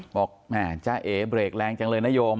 บอกแม่จ้าเอ๋เบรกแรงจังเลยนโยม